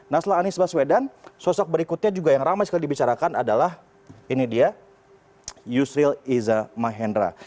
nah setelah anies baswedan sosok berikutnya juga yang ramai sekali dibicarakan adalah ini dia yusril iza mahendra